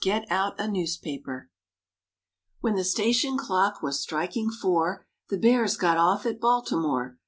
txtUT �( d�( d When the station clock was striking four The Bears got off at Baltimore.